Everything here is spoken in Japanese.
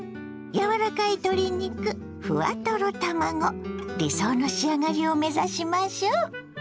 柔らかい鶏肉ふわトロ卵理想の仕上がりを目指しましょう。